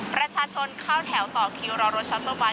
ประชาชนเข้าแถวต่อคิวรอรถชัตเตอร์วัน